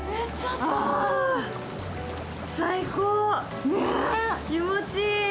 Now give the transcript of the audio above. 最高、気持ちいい。